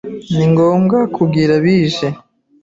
Ni ngombwa kugira bije.